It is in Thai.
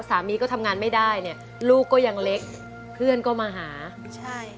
สามีก็ทำงานไม่ได้เนี่ยลูกก็ยังเล็กเพื่อนก็มาหาใช่